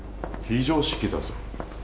非常識だぞ。